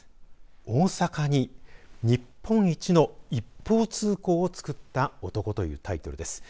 大阪に日本一の一方通行を作った男というタイトルです。